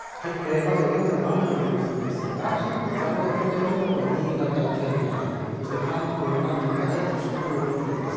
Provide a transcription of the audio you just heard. まずは現在の雨の様子ですが、現在、雨の降っているのは、この新潟県内、そして関東の南部から伊豆諸島付近です。